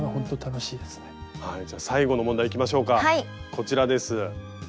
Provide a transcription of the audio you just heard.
こちらです。